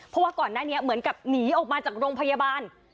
เพราะว่าก่อนหน้านี้เหมือนกับหนีออกมาจากโรงพยาบาล